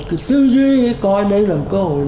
cái tư duy coi đây là một cơ hội